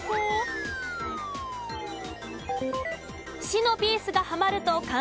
市のピースがはまると完成です。